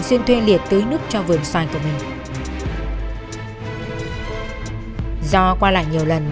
giết ai hả